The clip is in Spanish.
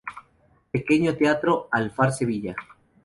Pequeño teatro, Alfar, Sevilla.